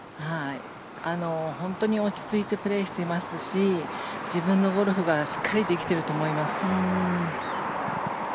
本当に落ち着いてプレーしてしますし自分のゴルフがしっかりできていると思います。